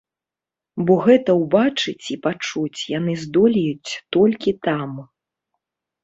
Бо гэта ўбачыць і пачуць яны здолеюць толькі там.